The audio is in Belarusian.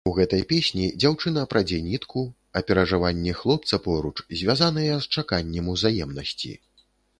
У гэтай песні дзяўчына прадзе нітку, а перажыванні хлопца поруч звязаныя з чаканнем узаемнасці.